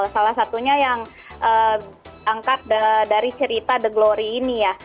salah satunya yang angkat dari cerita the glory ini ya